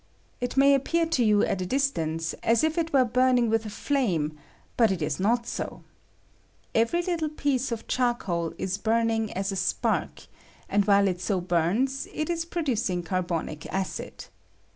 It may appear to you at a distance as if it were burning with a flame ; but it is not so. Every httle piece of charcoal is burning as a spark, and while it so bums it is producing carbonic acid.